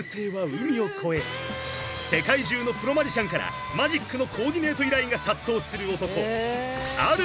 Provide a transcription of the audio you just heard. ［世界中のプロマジシャンからマジックのコーディネート依頼が殺到する男］